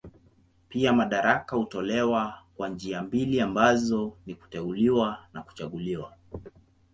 Pia madaraka hutolewa kwa njia mbili ambazo ni kuteuliwa na kuchaguliwa.